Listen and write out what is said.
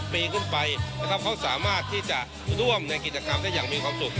ปีขึ้นไปนะครับเขาสามารถที่จะร่วมในกิจกรรมได้อย่างมีความสุข